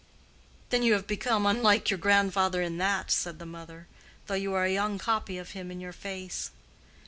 "Then you have become unlike your grandfather in that." said the mother, "though you are a young copy of him in your face.